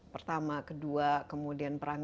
pertama kedua kemudian perang